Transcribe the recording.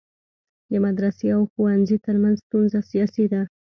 د مدرسي او ښوونځی ترمنځ ستونزه سیاسي ده.